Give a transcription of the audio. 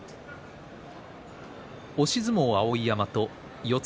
押し相撲の碧山と四つ